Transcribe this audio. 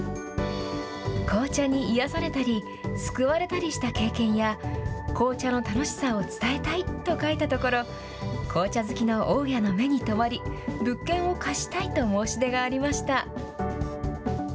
紅茶に癒やされたり、救われたりした経験や、紅茶の楽しさを伝えたいと書いたところ、紅茶好きの大家の目に留まり、物件を貸したいと申し出がありました。